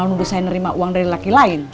malah nunggu saya nerima uang dari laki lain